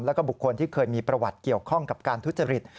แล้วก็บุคคลที่เคยมีประวัติเกี่ยวข้องกับการทุจริต